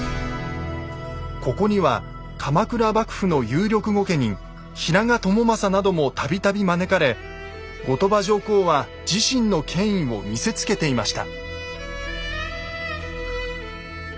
ここには鎌倉幕府の有力御家人平賀朝雅なども度々招かれ後鳥羽上皇は自身の権威を見せつけていました。